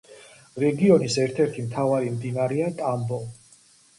რეგიონის ერთ-ერთი მთავარი მდინარეა ტამბო.